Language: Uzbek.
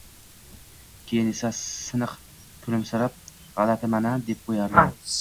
Keyin esa, siniq kulimsirab, g`alatiman-a deb qo`yardi